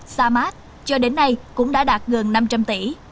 sa mát cho đến nay cũng đã đạt gần năm trăm linh tỷ